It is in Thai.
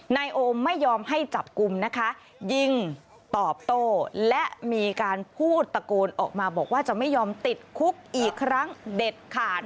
นายโอมไม่ยอมให้จับกลุ่มนะคะยิงตอบโต้และมีการพูดตะโกนออกมาบอกว่าจะไม่ยอมติดคุกอีกครั้งเด็ดขาด